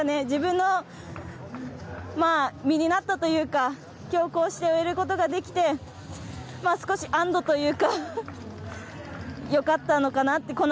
自分の身になったというか今日こうして終えることができて少し安どというかよかったのかなって。